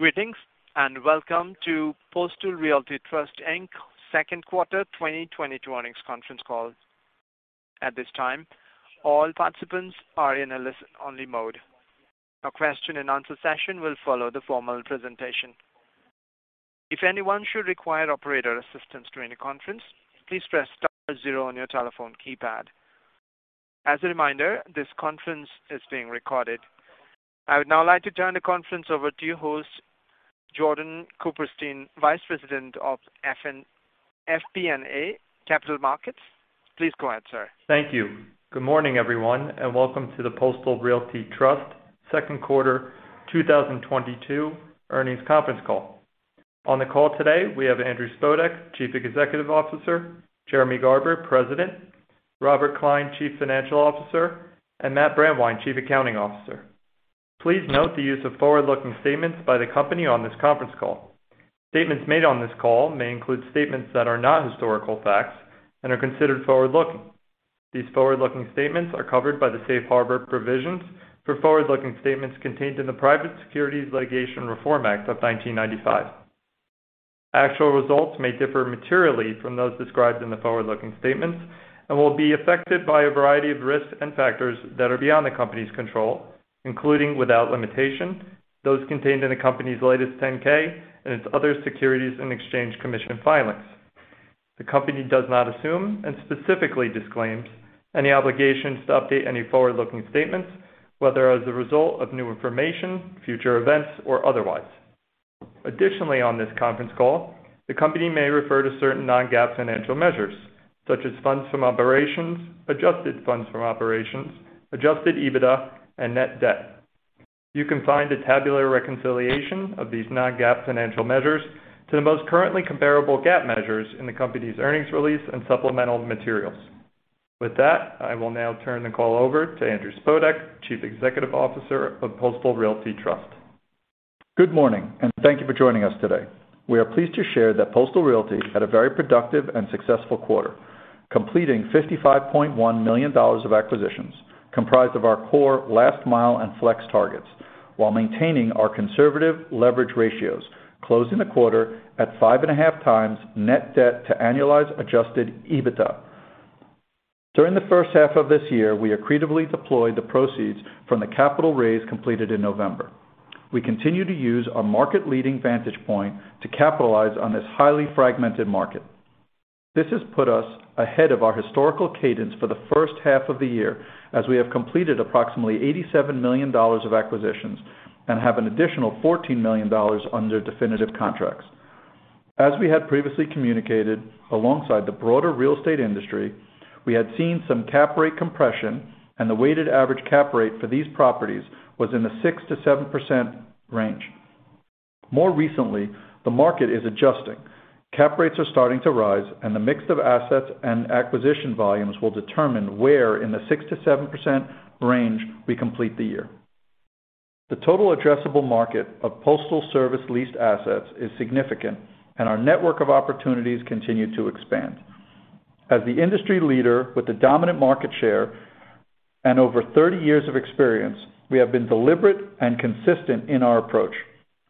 Greetings, and welcome to Postal Realty Trust, Inc.'s second quarter 2022 earnings conference call. At this time, all participants are in a listen-only mode. A question-and-answer session will follow the formal presentation. If anyone should require operator assistance during the conference, please press star zero on your telephone keypad. As a reminder, this conference is being recorded. I would now like to turn the conference over to your host, Jordan Cooperstein, Vice President of FP&A Capital Markets. Please go ahead, sir. Thank you. Good morning, everyone, and welcome to the Postal Realty Trust second quarter 2022 earnings conference call. On the call today, we have Andrew Spodek, Chief Executive Officer, Jeremy Garber, President, Robert Klein, Chief Financial Officer, and Matt Brandwein, Chief Accounting Officer. Please note the use of forward-looking statements by the company on this conference call. Statements made on this call may include statements that are not historical facts and are considered forward-looking. These forward-looking statements are covered by the safe harbor provisions for forward-looking statements contained in the Private Securities Litigation Reform Act of 1995. Actual results may differ materially from those described in the forward-looking statements and will be affected by a variety of risks and factors that are beyond the company's control, including, without limitation, those contained in the company's latest 10-K and its other Securities and Exchange Commission filings. The company does not assume, and specifically disclaims, any obligations to update any forward-looking statements, whether as a result of new information, future events, or otherwise. Additionally, on this conference call, the company may refer to certain non-GAAP financial measures, such as funds from operations, adjusted funds from operations, adjusted EBITDA, and net debt. You can find a tabular reconciliation of these non-GAAP financial measures to the most currently comparable GAAP measures in the company's earnings release and supplemental materials. With that, I will now turn the call over to Andrew Spodek, Chief Executive Officer of Postal Realty Trust. Good morning, and thank you for joining us today. We are pleased to share that Postal Realty had a very productive and successful quarter, completing $55.1 million of acquisitions, comprised of our core last-mile and flex targets, while maintaining our conservative leverage ratios, closing the quarter at 5.5x net debt to annualized adjusted EBITDA. During the first half of this year, we accretively deployed the proceeds from the capital raise completed in November. We continue to use our market-leading vantage point to capitalize on this highly fragmented market. This has put us ahead of our historical cadence for the first half of the year, as we have completed approximately $87 million of acquisitions and have an additional $14 million under definitive contracts. As we had previously communicated, alongside the broader real estate industry, we had seen some cap rate compression, and the weighted average cap rate for these properties was in the 6%-7% range. More recently, the market is adjusting. Cap rates are starting to rise, and the mix of assets and acquisition volumes will determine where in the 6%-7% range we complete the year. The total addressable market of Postal Service leased assets is significant, and our network of opportunities continue to expand. As the industry leader with the dominant market share and over 30 years of experience, we have been deliberate and consistent in our approach.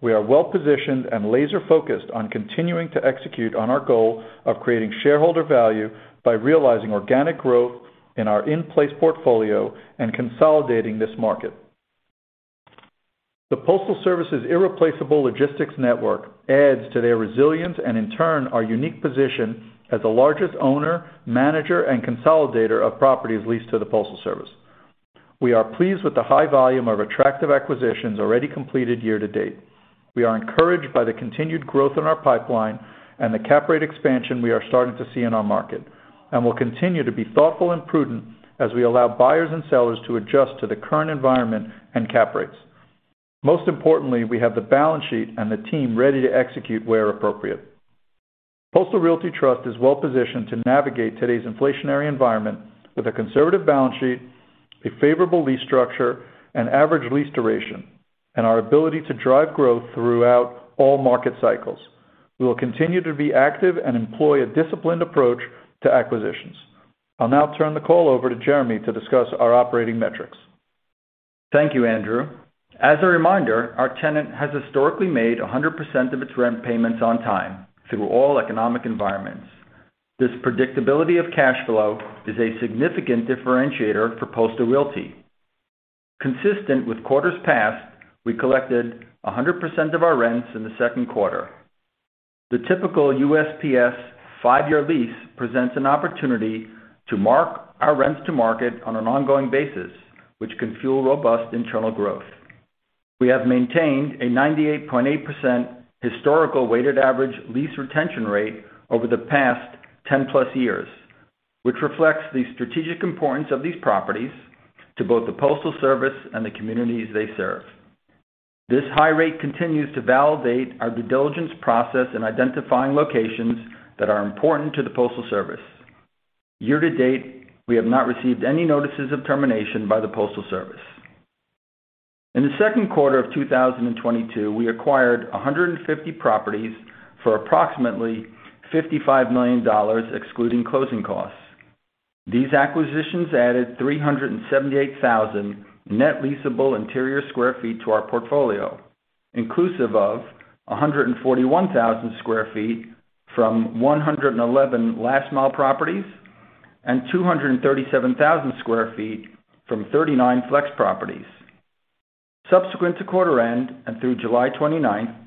We are well positioned and laser-focused on continuing to execute on our goal of creating shareholder value by realizing organic growth in our in-place portfolio and consolidating this market. The Postal Service's irreplaceable logistics network adds to their resilience and, in turn, our unique position as the largest owner, manager, and consolidator of properties leased to the Postal Service. We are pleased with the high volume of attractive acquisitions already completed year-to-date. We are encouraged by the continued growth in our pipeline and the cap rate expansion we are starting to see in our market, and will continue to be thoughtful and prudent as we allow buyers and sellers to adjust to the current environment and cap rates. Most importantly, we have the balance sheet and the team ready to execute where appropriate. Postal Realty Trust is well positioned to navigate today's inflationary environment with a conservative balance sheet, a favorable lease structure and average lease duration, and our ability to drive growth throughout all market cycles. We will continue to be active and employ a disciplined approach to acquisitions. I'll now turn the call over to Jeremy to discuss our operating metrics. Thank you, Andrew. As a reminder, our tenant has historically made 100% of its rent payments on time through all economic environments. This predictability of cash flow is a significant differentiator for Postal Realty. Consistent with quarters past, we collected 100% of our rents in the second quarter. The typical USPS five-year lease presents an opportunity to mark our rents to market on an ongoing basis, which can fuel robust internal growth. We have maintained a 98.8% historical weighted average lease retention rate over the past 10+ years, which reflects the strategic importance of these properties to both the Postal Service and the communities they serve. This high rate continues to validate our due diligence process in identifying locations that are important to the Postal Service. Year-to-date, we have not received any notices of termination by the Postal Service. In the second quarter of 2022, we acquired 150 properties for approximately $55 million, excluding closing costs. These acquisitions added 378,000 net leasable interior sq ft to our portfolio, inclusive of 141,000 sq ft from 111 last-mile properties and 237,000 sq ft from 39 flex properties. Subsequent to quarter end and through July 29,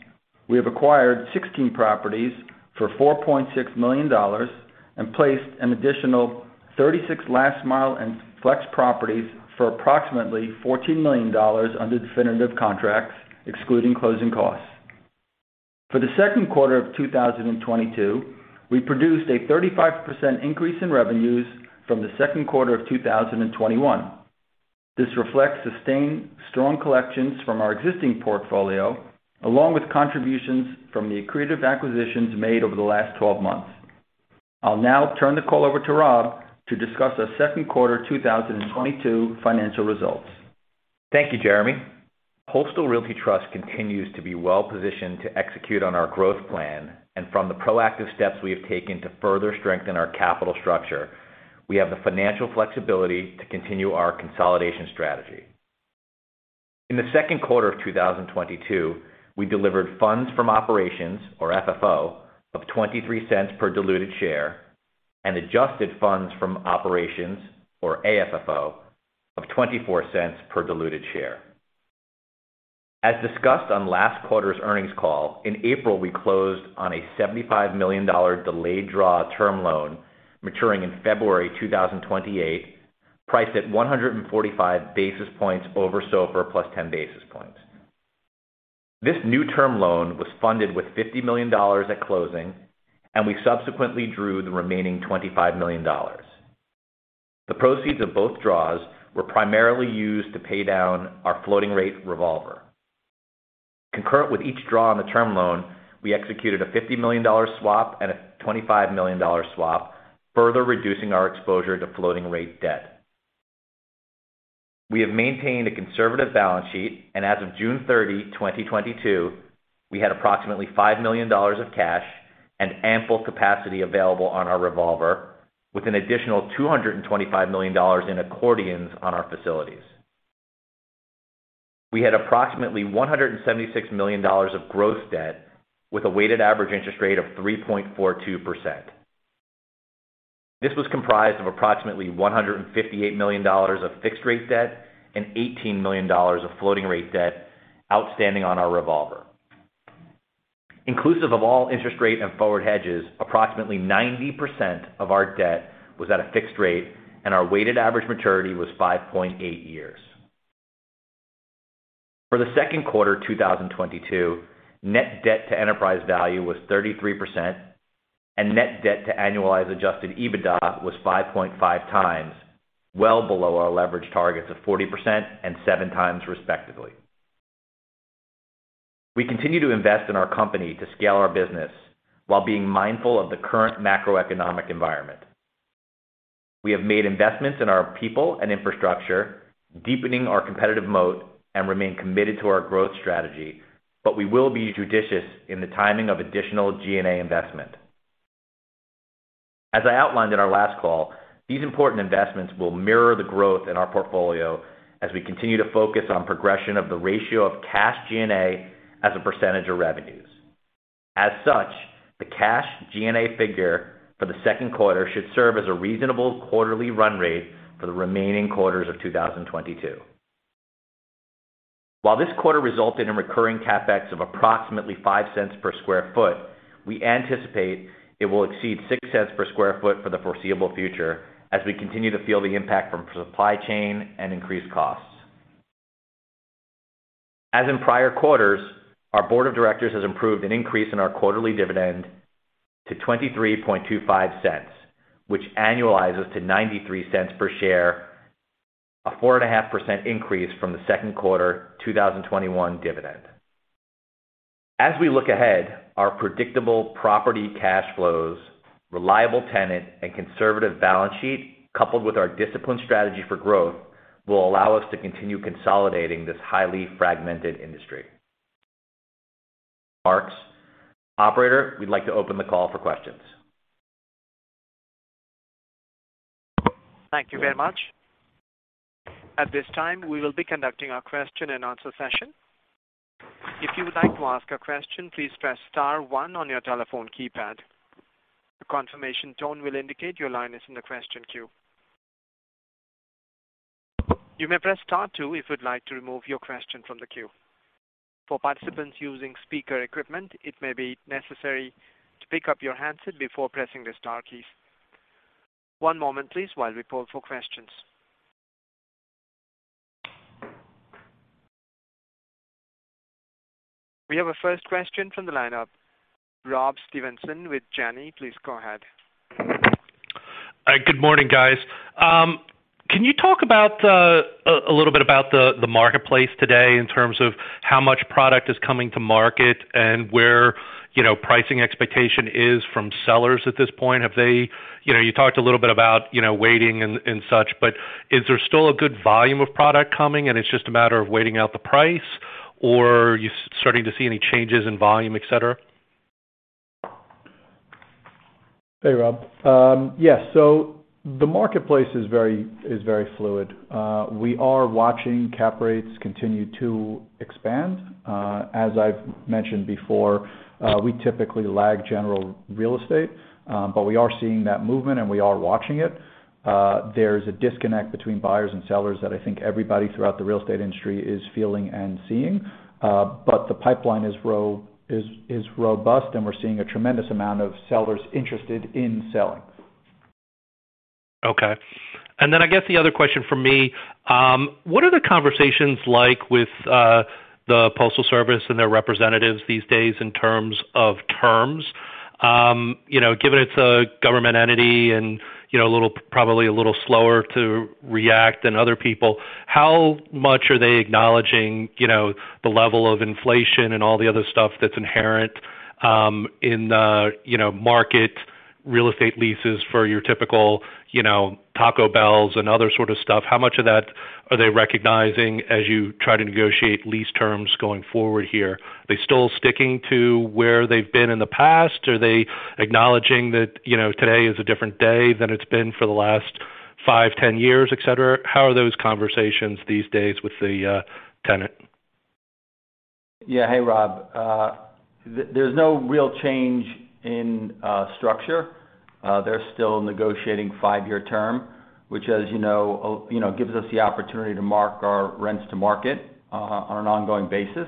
we have acquired 16 properties for $4.6 million and placed an additional 36 last-mile and flex properties for approximately $14 million under definitive contracts, excluding closing costs. For the second quarter of 2022, we produced a 35% increase in revenues from the second quarter of 2021. This reflects sustained strong collections from our existing portfolio, along with contributions from the accretive acquisitions made over the last 12 months. I'll now turn the call over to Rob to discuss our second quarter 2022 financial results. Thank you, Jeremy. Postal Realty Trust continues to be well-positioned to execute on our growth plan, and from the proactive steps we have taken to further strengthen our capital structure, we have the financial flexibility to continue our consolidation strategy. In the second quarter of 2022, we delivered funds from operations or FFO of $0.23 per diluted share and adjusted funds from operations or AFFO of $0.24 per diluted share. As discussed on last quarter's earnings call, in April, we closed on a $75 million delayed draw term loan maturing in February 2028, priced at 145 basis points over SOFR plus 10 basis points. This new term loan was funded with $50 million at closing, and we subsequently drew the remaining $25 million. The proceeds of both draws were primarily used to pay down our floating-rate revolver. Concurrent with each draw on the term loan, we executed a $50 million swap and a $25 million swap, further reducing our exposure to floating-rate debt. We have maintained a conservative balance sheet, and as of June 30, 2022, we had approximately $5 million of cash and ample capacity available on our revolver with an additional $225 million in accordions on our facilities. We had approximately $176 million of gross debt with a weighted average interest rate of 3.42%. This was comprised of approximately $158 million of fixed-rate debt and $18 million of floating-rate debt outstanding on our revolver. Inclusive of all interest rate and forward hedges, approximately 90% of our debt was at a fixed-rate, and our weighted average maturity was 5.8 years. For the second quarter 2022, net debt to enterprise value was 33%, and net debt to annualized adjusted EBITDA was 5.5x, well below our leverage targets of 40% and 7x, respectively. We continue to invest in our company to scale our business while being mindful of the current macroeconomic environment. We have made investments in our people and infrastructure, deepening our competitive moat and remain committed to our growth strategy, but we will be judicious in the timing of additional G&A investment. As I outlined in our last call, these important investments will mirror the growth in our portfolio as we continue to focus on progression of the ratio of cash G&A as a percentage of revenues. As such, the cash G&A figure for the second quarter should serve as a reasonable quarterly run rate for the remaining quarters of 2022. While this quarter resulted in recurring CapEx of approximately $0.05 per sq ft, we anticipate it will exceed $0.06 per sq ft for the foreseeable future as we continue to feel the impact from supply chain and increased costs. As in prior quarters, our board of directors has approved an increase in our quarterly dividend to $0.2325, which annualizes to $0.93 per share, a 4.5% increase from the second quarter 2021 dividend. As we look ahead, our predictable property cash flows, reliable tenant, and conservative balance sheet, coupled with our disciplined strategy for growth, will allow us to continue consolidating this highly fragmented industry marks. Operator, we'd like to open the call for questions. Thank you very much. At this time, we will be conducting our question and answer session. If you would like to ask a question, please press star one on your telephone keypad. A confirmation tone will indicate your line is in the question queue. You may press star two if you'd like to remove your question from the queue. For participants using speaker equipment, it may be necessary to pick up your handset before pressing the star keys. One moment please while we poll for questions. We have a first question from the lineup. Robert Stevenson with Janney. Please go ahead. Hi. Good morning, guys. Can you talk about a little bit about the marketplace today in terms of how much product is coming to market and where, you know, pricing expectation is from sellers at this point? You know, you talked a little bit about, you know, waiting and such, but is there still a good volume of product coming and it's just a matter of waiting out the price, or are you starting to see any changes in volume, et cetera? Hey, Rob. The marketplace is very fluid. We are watching cap rates continue to expand. As I've mentioned before, we typically lag general real estate, but we are seeing that movement and we are watching it. There's a disconnect between buyers and sellers that I think everybody throughout the real estate industry is feeling and seeing. The pipeline is robust, and we're seeing a tremendous amount of sellers interested in selling. Okay. I guess the other question from me, what are the conversations like with the Postal Service and their representatives these days in terms of terms? You know, given it's a government entity and, you know, a little probably a little slower to react than other people, how much are they acknowledging, you know, the level of inflation and all the other stuff that's inherent in the, you know, market real estate leases for your typical, you know, Taco Bells and other sort of stuff? How much of that are they recognizing as you try to negotiate lease terms going forward here? Are they still sticking to where they've been in the past? Are they acknowledging that, you know, today is a different day than it's been for the last five, 10 years, et cetera? How are those conversations these days with the tenant? Yeah. Hey, Rob. There's no real change in structure. They're still negotiating five-year term, which, as you know, gives us the opportunity to mark our rents to market on an ongoing basis.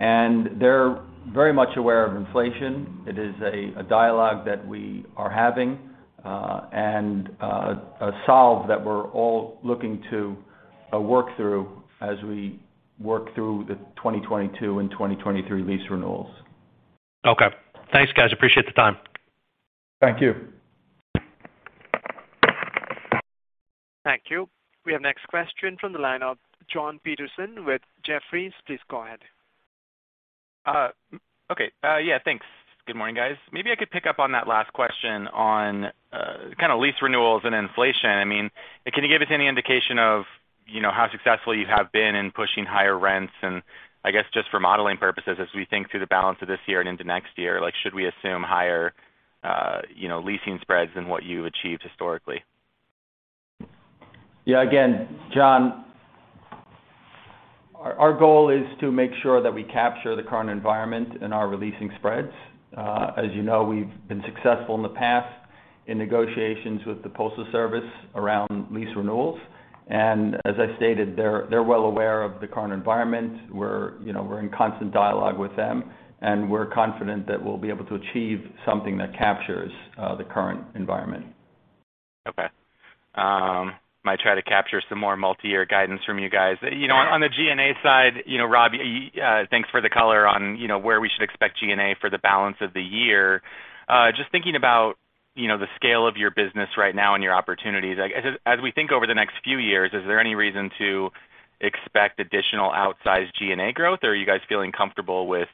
They're very much aware of inflation. It is a dialogue that we are having, and a solve that we're all looking to work through as we work through the 2022 and 2023 lease renewals. Okay. Thanks, guys. Appreciate the time. Thank you. Thank you. We have next question from the line of Jon Petersen with Jefferies. Please go ahead. Thanks. Good morning, guys. Maybe I could pick up on that last question on kinda lease renewals and inflation. I mean, can you give us any indication of, you know, how successful you have been in pushing higher rents? And I guess just for modeling purposes as we think through the balance of this year and into next year, like, should we assume higher, you know, leasing spreads than what you've achieved historically? Yeah. Again, Jon, our goal is to make sure that we capture the current environment in our releasing spreads. As you know, we've been successful in the past in negotiations with the Postal Service around lease renewals. As I stated, they're well aware of the current environment. We're, you know, we're in constant dialogue with them, and we're confident that we'll be able to achieve something that captures the current environment. Okay. I might try to capture some more multi-year guidance from you guys. You know, on the G&A side, you know, Rob, thanks for the color on, you know, where we should expect G&A for the balance of the year. Just thinking about, you know, the scale of your business right now and your opportunities. Like, as we think over the next few years, is there any reason to expect additional outsized G&A growth, or are you guys feeling comfortable with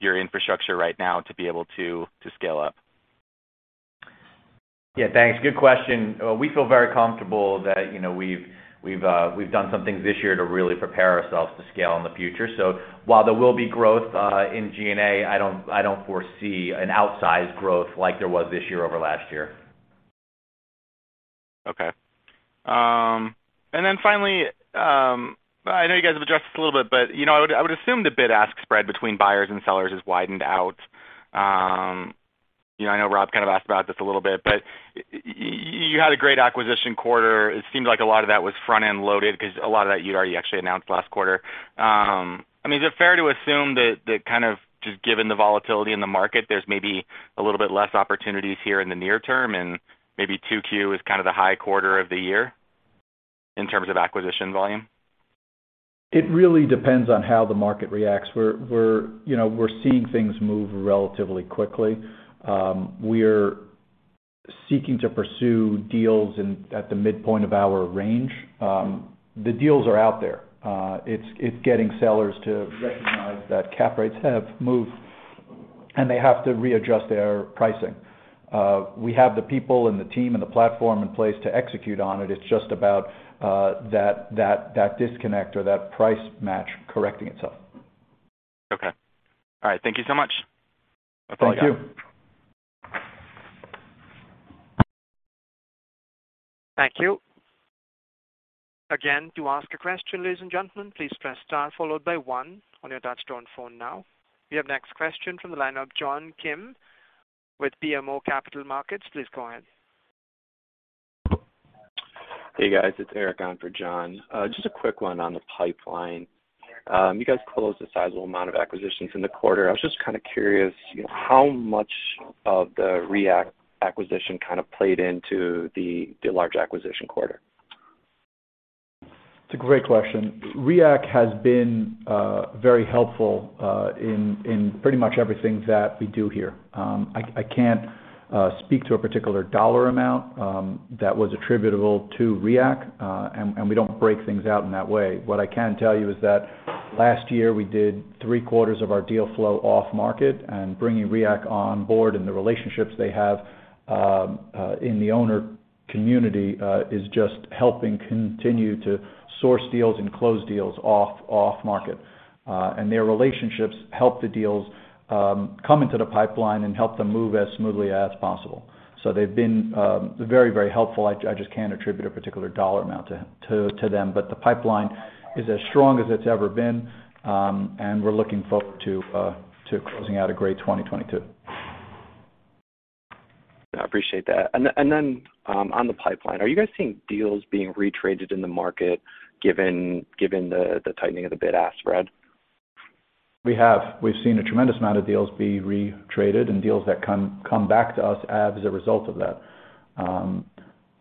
your infrastructure right now to be able to scale up? Yeah, thanks. Good question. We feel very comfortable that, you know, we've done some things this year to really prepare ourselves to scale in the future. So while there will be growth in G&A, I don't foresee an outsized growth like there was this year over last year. Okay. Finally, I know you guys have addressed this a little bit, but, you know, I would assume the bid-ask spread between buyers and sellers has widened out. You know, I know Rob kind of asked about this a little bit, but you had a great acquisition quarter. It seems like a lot of that was front-end loaded because a lot of that you'd already actually announced last quarter. I mean, is it fair to assume that kind of just given the volatility in the market, there's maybe a little bit less opportunities here in the near term and maybe 2Q is kind of the high quarter of the year in terms of acquisition volume? It really depends on how the market reacts. You know, we're seeing things move relatively quickly. We're seeking to pursue deals in at the midpoint of our range. The deals are out there. It's getting sellers to recognize that cap rates have moved, and they have to readjust their pricing. We have the people and the team and the platform in place to execute on it. It's just about that disconnect or that price match correcting itself. Okay. All right. Thank you so much. That's all I got. Thank you. Thank you. Again, to ask a question, ladies and gentlemen, please press star followed by one on your touch-tone phone now. We have next question from the line of John Kim with BMO Capital Markets. Please go ahead. Hey, guys. It's Eric on for John. Just a quick one on the pipeline. You guys closed a sizable amount of acquisitions in the quarter. I was just kinda curious, you know, how much of the REAC acquisition kind of played into the large acquisition quarter? It's a great question. REAC has been very helpful in pretty much everything that we do here. I can't speak to a particular dollar amount that was attributable to REAC, and we don't break things out in that way. What I can tell you is that last year we did three quarters of our deal flow off market, and bringing REAC on board and the relationships they have in the owner community is just helping continue to source deals and close deals off market. Their relationships help the deals come into the pipeline and help them move as smoothly as possible. They've been very helpful. I just can't attribute a particular dollar amount to them. The pipeline is as strong as it's ever been, and we're looking forward to closing out a great 2022. I appreciate that. On the pipeline, are you guys seeing deals being re-traded in the market given the tightening of the bid-ask spread? We have. We've seen a tremendous amount of deals be re-traded and deals that come back to us as a result of that.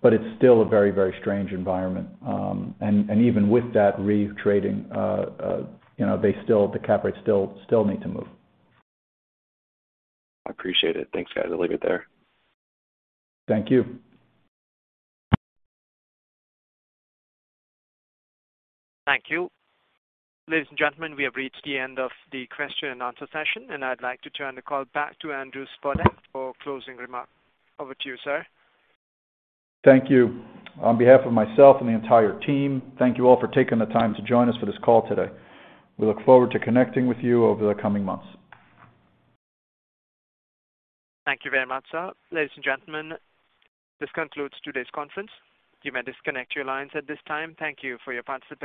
It's still a very strange environment. Even with that re-trading, you know, they still, the cap rates need to move. I appreciate it. Thanks, guys. I'll leave it there. Thank you. Thank you. Ladies and gentlemen, we have reached the end of the question and answer session, and I'd like to turn the call back to Andrew Spodek for closing remark. Over to you, sir. Thank you. On behalf of myself and the entire team, thank you all for taking the time to join us for this call today. We look forward to connecting with you over the coming months. Thank you very much, sir. Ladies and gentlemen, this concludes today's conference. You may disconnect your lines at this time. Thank you for your participation.